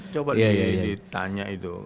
coba ditanya itu